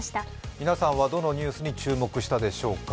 皆さんはどのニュースに注目したでしょうか。